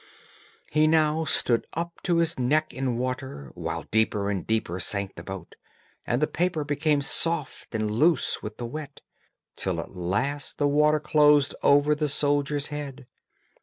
He now stood up to his neck in water, while deeper and deeper sank the boat, and the paper became soft and loose with the wet, till at last the water closed over the soldier's head.